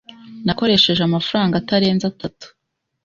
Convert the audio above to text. Nakoresheje amafaranga atarenze atatu.